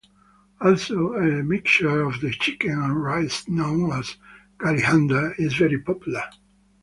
Also, a mixture of chicken and rice known as galinhada is very popular.